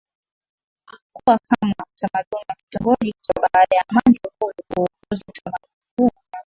kuwa kama utamaduni wa kitongoji hicho Baada ya manju huyu kuukuza utamaduni huu miaka